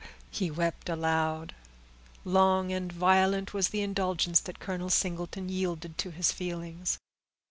he wept aloud. Long and violent was the indulgence that Colonel Singleton yielded to his feelings.